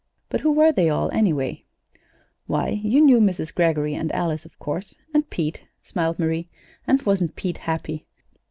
But who were they all, anyway?" "Why, you knew Mrs. Greggory and Alice, of course and Pete," smiled Marie. "And wasn't Pete happy?